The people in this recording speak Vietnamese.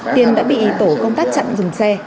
tiền đã bị tổ công tác chặn dừng xe